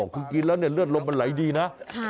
คือกินแล้วเนี่ยเลือดลมมันไหลดีนะ